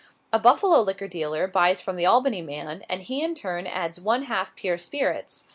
A Buffalo liquor dealer buys from the Albany man, and he in turn adds one half pure spirits.